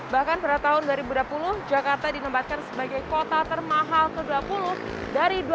bahkan pada tahun dua ribu dua puluh jakarta dinombatkan sebagai kota termahal ke dua puluh dari dua puluh lima kota di dunia